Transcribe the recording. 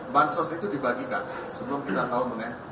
bansos itu dibagikan sebelum kita tahu mengenai